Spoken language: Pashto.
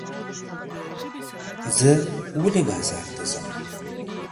زه ولې بازار ته ځم؟